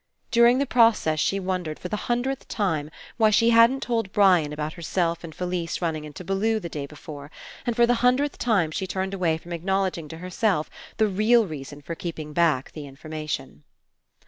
During the process she won dered, for the hundredth time, why she hadn't 194 FINALE told Brian about herself and Fellse running into Bellew the day before, and for the hun dredth time she turned away from acknowledg ing to herself the real reason for keeping back the information.